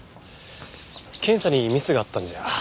検査にミスがあったんじゃ。